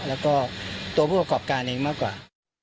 แล้วก็ตัวผู้กร๖๕๑เอ้งมากกว่า